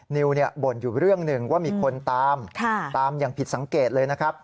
นิวบ่นอยู่เรื่องหนึ่งว่ามีคนตามตามอย่างผิดสังเกตเลยนะครับ